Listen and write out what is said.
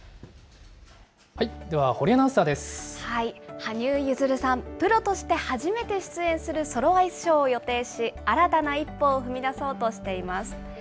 では、羽生結弦さん、プロとして初めて出演するソロアイスショーを予定し、新たな一歩を踏み出そうとしています。